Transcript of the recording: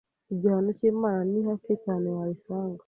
igihano cy’Imana ni hake cyane warisanga